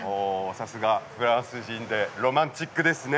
さすが、フランス人でロマンチックですね。